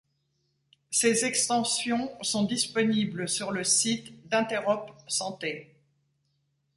Ces extensions sont disponibles sur le site d'Interop'Santé.